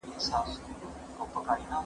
آيا هيله انسان ژوندی ساتي؟